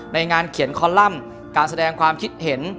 ในงานเขียนคอลัมป์การแสดงความคิดเห็น